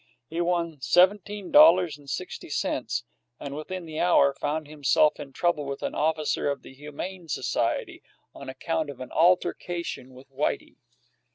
He won seventeen dollars and sixty cents, and within the hour found himself in trouble with an officer of the Humane Society on account of an altercation with Whitey.